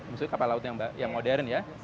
maksudnya kapal laut yang modern ya